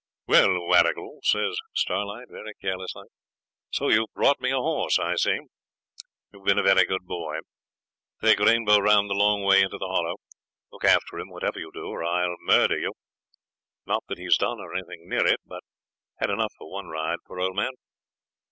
'Well, Warrigal,' says Starlight, very careless like, 'so you've brought me a horse, I see. You've been a very good boy. Take Rainbow round the long way into the Hollow. Look after him, whatever you do, or I'll murder you. Not that he's done, or anything near it; but had enough for one ride, poor old man.